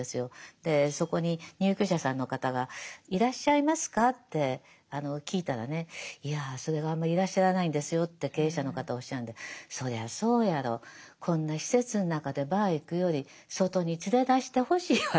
でそこに入居者さんの方がいらっしゃいますか？って聞いたらねいやそれがあんまりいらっしゃらないんですよって経営者の方おっしゃるんでそりゃそうやろこんな施設の中でバー行くより外に連れ出してほしいわって。